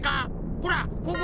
ほらここ。